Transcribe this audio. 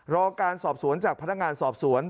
รอการสอบสวนจากพนักงานสอบสวน